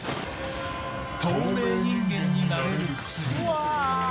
透明人間になれる薬！